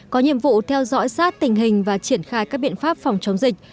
có nhiệm vụ theo dõi sát tình hình và triển khai các biện pháp phòng chống dịch